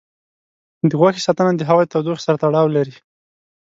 د غوښې ساتنه د هوا د تودوخې سره تړاو لري.